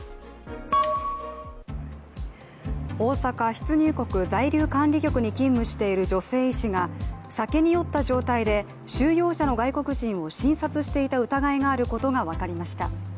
大阪出入国在留管理局に勤務している女性医師が酒に酔った状態で収容者の外国人を診察していた疑いがあることが分かりました。